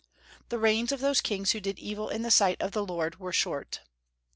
The reigns of those kings who did evil in the sight of the Lord were short.